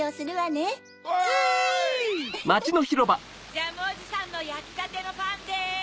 ジャムおじさんのやきたてのパンです！